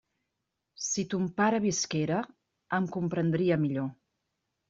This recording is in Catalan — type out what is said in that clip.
Si ton pare visquera, em comprendria millor.